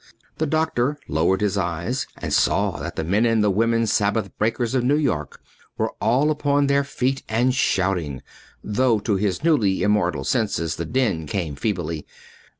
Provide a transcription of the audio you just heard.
The doctor lowered his eyes and he saw that the men and the women Sabbath breakers of New York were all upon their feet and shouting, though to his newly immortal senses the din came feebly.